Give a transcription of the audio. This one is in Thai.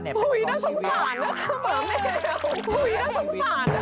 น่าสงสารนะเขาหมาแมว